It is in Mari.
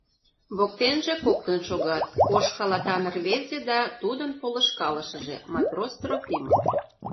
Воктенже коктын шогат: ош халатан рвезе да тудын полышкалышыже, матрос Трофимов.